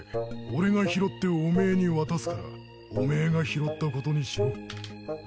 俺が拾ってお前に渡すからお前が拾ったことにしろ。